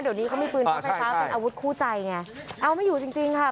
เดี๋ยวนี้เขามีปืนช็อปไฟฟ้าเป็นอาวุธคู่ใจไงเอาไม่อยู่จริงจริงค่ะ